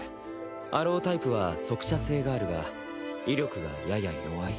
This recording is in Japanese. アロータイプは速射性があるが威力がやや弱い。